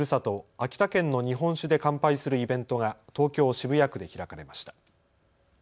秋田県の日本酒で乾杯するイベントが東京渋谷区で開かれました。